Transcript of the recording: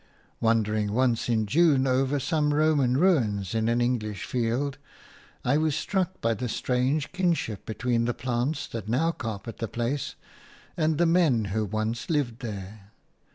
Wandering once in June over some Roman ruins in an English field, I was struck by the strange kinship between the plants that now carpet the place and the men who once lived there.